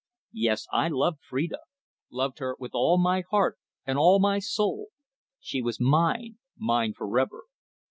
Yes, I loved Phrida loved her with all my heart and all my soul. She was mine mine for ever.